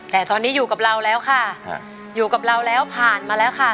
แต่ตอนนี้อยู่กับเราแล้วค่ะอยู่กับเราแล้วผ่านมาแล้วค่ะ